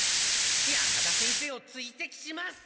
山田先生を追跡します！